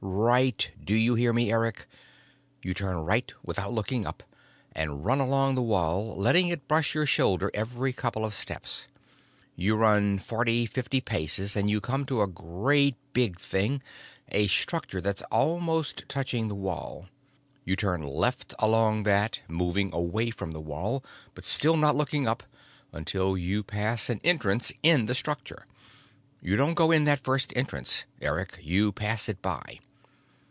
Right, do you hear me, Eric? You turn right, without looking up, and run along the wall, letting it brush your shoulder every couple of steps. You run forty, fifty paces, and you come to a great big thing, a structure, that's almost touching the wall. You turn left along that, moving away from the wall, but still not looking up, until you pass an entrance in the structure. You don't go in that first entrance, Eric; you pass it by.